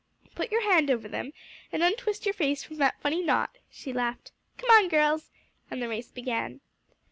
"Put your hand over them, and untwist your face from that funny knot," she laughed. "Come on, girls," and the race began.